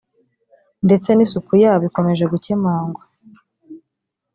ndetse n’isuku yabo ikomeje gukemangwa